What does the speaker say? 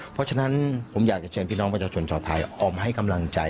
เพราะฉะนั้นผมอยากจะเชิญพี่น้องประชาชนชาวไทยออกมาให้กำลังใจ